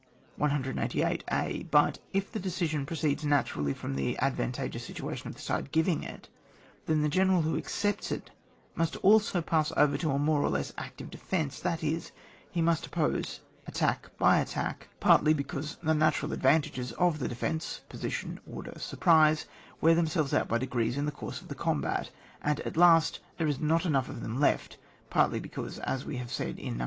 188 a. But if the decision proceeds naturally from the advantageous situa tion of the side giving it, then the general who accepts it must also pass over to a more or less active defence, that iS| he must oppose attack by attack, partly because the natural advantages of the defence {position, order, surprise) wear themselves out by degrees in the course of the combat, and, at last, there is not enough of them left ; partly be cause (as we have said in No.